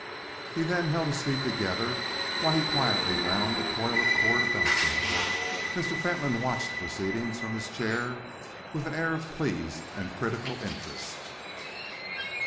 He then held his feet together while he quietly wound a coil of cord around them. Mr. Fentolin watched the proceedings from his chair with an air of pleased and critical interest.